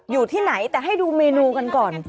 อยู่ที่ไหนแต่ให้ดูเมนูกันก่อน